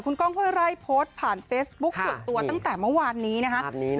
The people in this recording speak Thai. คุณกล้องโค้ยไร่โพสต์ผ่านเฟสบุ๊คส่วนตัวตั้งแต่เมื่อวานนี้นะคะคราบนี้เนอะ